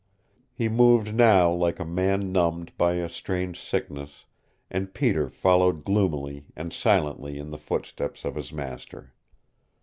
He moved now like a man numbed by a strange sickness and Peter followed gloomily and silently in the footsteps of his master.